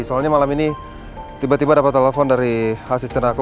soalnya malam ini tiba tiba dapat telepon dari asisten aku